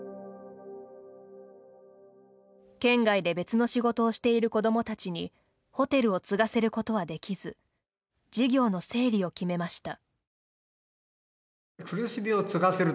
県外で別の仕事をしている子どもたちにホテルを継がせることはできず事業の整理を決めました。